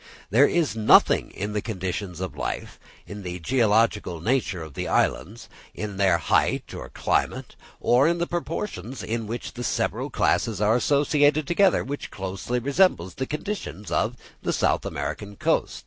There is nothing in the conditions of life, in the geological nature of the islands, in their height or climate, or in the proportions in which the several classes are associated together, which closely resembles the conditions of the South American coast.